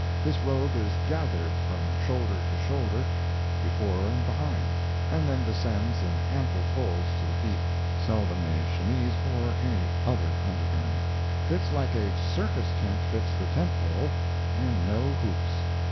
This robe is "gathered" from shoulder to shoulder, before and behind, and then descends in ample folds to the feet—seldom a chemise or any other under garment—fits like a circus tent fits the tent pole, and no hoops.